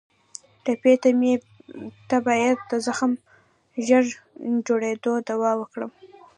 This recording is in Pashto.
ټپي ته باید د زخم ژر جوړېدو دعا وکړو.